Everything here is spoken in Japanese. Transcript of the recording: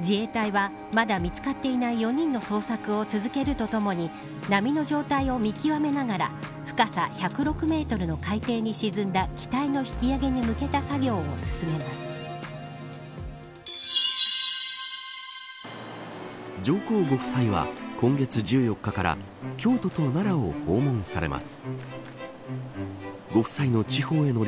自衛隊は、まだ見つかっていない４人の捜索を続けるとともに波の状態を見極めながら深さ１０６メートルの海底に沈んだ上皇ご夫妻は、今月京都と奈良を訪問されます。